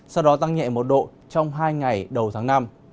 sau đó tăng nhẹ một độ trong hai ngày đầu tháng năm